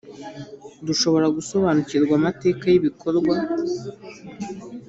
dushobora gusobanukirwa amateka yibikorwa